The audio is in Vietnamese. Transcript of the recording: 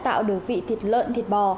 để tạo được vị thịt lợn thịt bò